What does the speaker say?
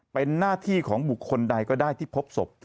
เป็นหน้าที่ของบุคคลใดก็ได้ที่พบศพ